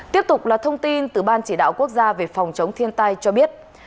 tiếp tục là thông tin từ ban chỉ đạo quốc gia về phòng chống thiên tai cho biết